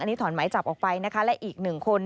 อันนี้ถอนหมายจับออกไปนะคะและอีกหนึ่งคน